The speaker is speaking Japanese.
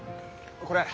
これ。